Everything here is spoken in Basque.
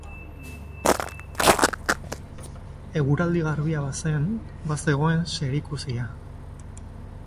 Eguraldi garbia bazen, bazegoen zer ikusia.